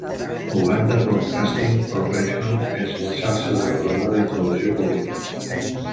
Uganda Broadcasting Corporation és la xarxa de radiotelevisió pública.